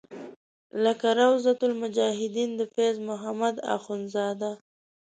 لکه روضة المجاهدین د فیض محمد اخونزاده.